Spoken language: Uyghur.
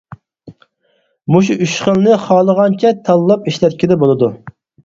مۇشۇ ئۈچ خىلنى خالىغانچە تاللاپ ئىشلەتكىلى بولىدۇ.